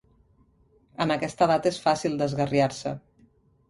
En aquesta edat és fàcil d'esgarriar-se.